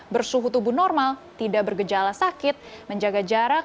bersuhu tubuh normal tidak bergejala sakit menjaga jarak